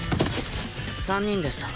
３人でした。